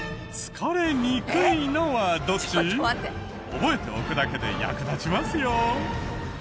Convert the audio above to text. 覚えておくだけで役立ちますよ。